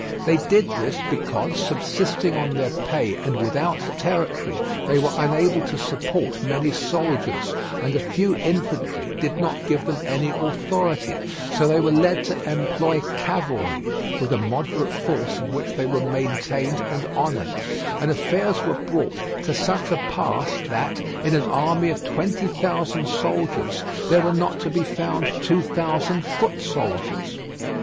They did this because, subsisting on their pay and without territory, they were unable to support many soldiers, and a few infantry did not give them any authority; so they were led to employ cavalry, with a moderate force of which they were maintained and honoured; and affairs were brought to such a pass that, in an army of twenty thousand soldiers, there were not to be found two thousand foot soldiers.